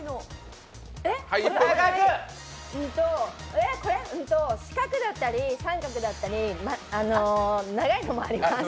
えっ、これうーんと四角だったり三角だったり長いのもあります。